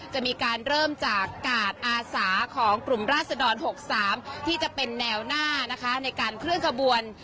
จะมีการเริ่มจากกาดอาสาของกลุ่มราศดร๖๓ที่จะเป็นแนวหน้านะคะในการเคลื่อนขบวน